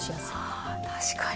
あ確かに。